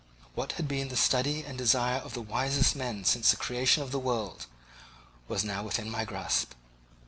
What had been the study and desire of the wisest men since the creation of the world was now within my grasp.